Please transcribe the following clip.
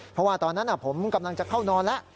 เพราะว่าตอนนั้นผมกำลังจะเข้านอนแล้ว